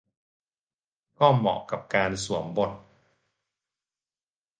ก็เหมาะกับการสวมบท